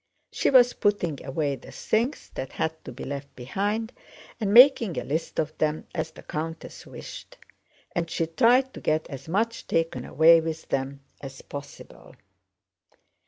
She was putting away the things that had to be left behind and making a list of them as the countess wished, and she tried to get as much taken away with them as possible.